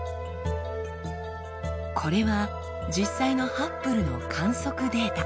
これは実際のハッブルの観測データ。